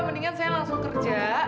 mendingan saya langsung kerja